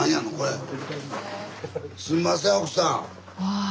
すんません奥さん。